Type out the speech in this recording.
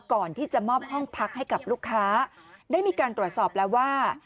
ก่อนที่จะมอบห้องพักให้กับลูกค้าได้มีการตรวจสอบแล้วว่า